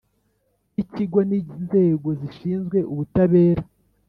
Y ikigo n inzego zishinzwe ubutabera